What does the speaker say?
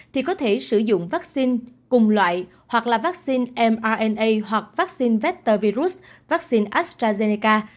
thì có thể sử dụng vaccine cùng loại hoặc là vaccine mrna hoặc vaccine vector virus vaccine astrazeneca